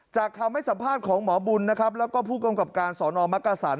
คำให้สัมภาษณ์ของหมอบุญนะครับแล้วก็ผู้กำกับการสอนอมักกษัน